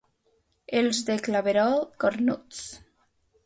Els de Claverol, cornuts.